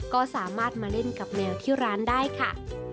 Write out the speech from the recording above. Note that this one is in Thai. ก็สามารถมาเล่นกับแมวที่ร้านได้ค่ะ